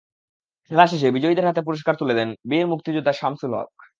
খেলা শেষে বিজয়ীদের হাতে পুরস্কার তুলে দেন বীর মুক্তিযোদ্ধা শামছুল হক।